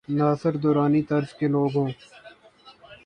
ناصر درانی طرز کے لو گ ہوں۔